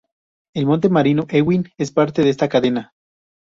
El monte marino Ewing es parte de esta cadena.